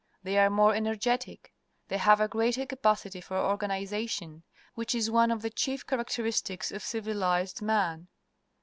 They are more energetic. They have a greater capacitj for organization, which is one of the chief characteristics of civilized man.